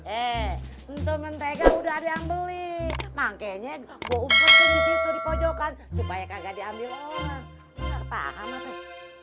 eh untuk mentega udah ada yang beli makanya gue umpun disitu di pojokan supaya kagak diambil orang